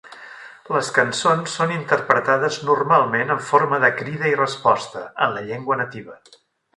Les cançons són interpretades normalment en forma de crida i resposta, en la llengua nativa.